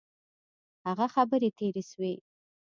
هغه خبري تیري سوې.